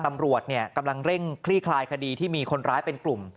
ตำรวจกำลังเร่งคลี่คลายคดีที่มีคนร้ายเป็นกลุ่ม